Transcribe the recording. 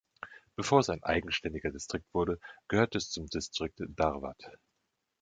Bevor es ein eigenständiger Distrikt wurde, gehörte es zum Distrikt Dharwad.